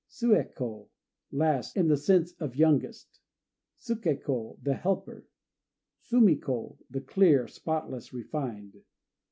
Suë ko "Last," in the sense of youngest. Suké ko "The Helper." Sumi ko "The Clear," spotless, refined.